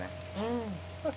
「うん」